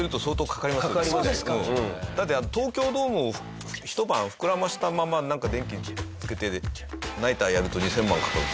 だって東京ドームをひと晩膨らませたまま電気つけてナイターやると２０００万かかるって。